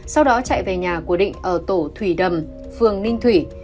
sau đó chạy về nhà của định ở tổ thủy đầm phường ninh thủy